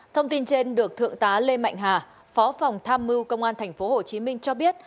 thông tin trên được thượng tá lê mạnh hà phó phòng tham mưu công an tp hcm cho biết